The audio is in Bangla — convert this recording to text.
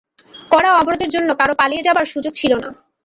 কড়া অবরোধের জন্য কারো পালিয়ে যাবার সুযোগ ছিল না।